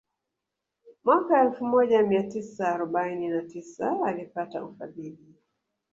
Mwaka elfu moja mia tisa arobaini na tisa alipata ufadhili